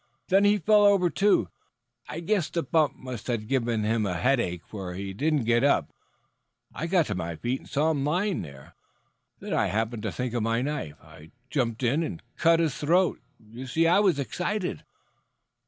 Then he fell over, too. I guess the bump must have given him a headache for he didn't get up. I got to my feet and saw him lying there. Then I happened to think of my knife. I jumped in and cut his throat. You see, I was excited."